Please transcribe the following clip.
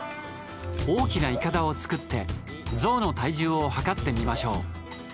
大きないかだを作ってゾウの体重を量ってみましょう！